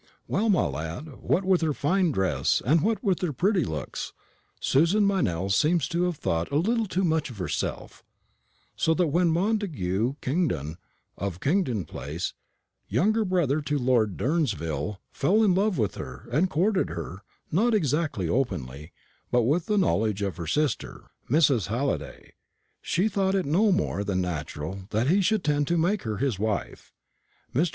"Well, my lad, what with her fine dress, and what with her pretty looks, Susan Meynell seems to have thought a little too much of herself; so that when Montagu Kingdon, of Kingdon place, younger brother to Lord Durnsville, fell in love with her, and courted her not exactly openly, but with the knowledge of her sister, Mrs. Halliday she thought it no more than natural that he should intend to make her his wife. Mr.